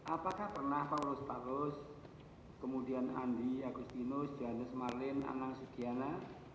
apakah pernah paulus tarlos kemudian andi agustinus janus marlin anang sugiana